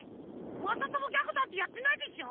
まさともギャグなんてやってないでしょ？